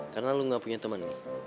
karena lo gak punya temen